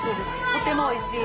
とてもおいしい。